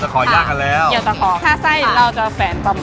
ใช่เพราะว่าไฟมันจะได้เข้า